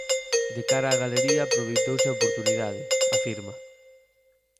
De cara a galería aproveitouse a oportunidade, afirma.